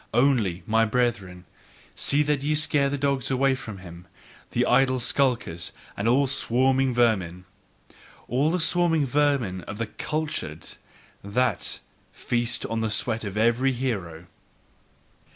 Only, my brethren, see that ye scare the dogs away from him, the idle skulkers, and all the swarming vermin: All the swarming vermin of the "cultured," that feast on the sweat of every hero!